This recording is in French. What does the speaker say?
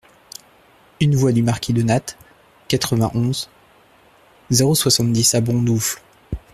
un voie du Marquis de Nattes, quatre-vingt-onze, zéro soixante-dix à Bondoufle